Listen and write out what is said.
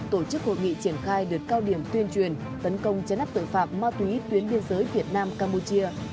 tổ chức hội nghị triển khai đợt cao điểm tuyên truyền tấn công chấn áp tội phạm ma túy tuyến biên giới việt nam campuchia